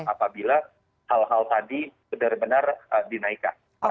apabila hal hal tadi benar benar dinaikkan